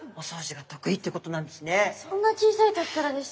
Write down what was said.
そんな小さい時からですか？